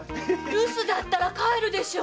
留守だったら帰るでしょ